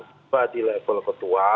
tiga di level ketua